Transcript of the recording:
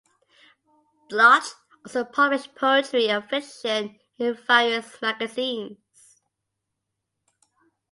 Bloch also published poetry and fiction in various magazines.